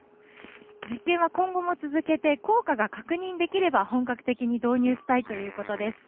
実験は今後も続けて、効果が確認できれば本格的に導入したいということです。